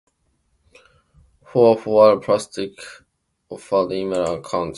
For a while, Plastic offered email accounts.